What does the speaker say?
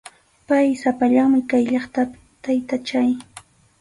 Pay sapallanmi kay llaqtapi, taytachay.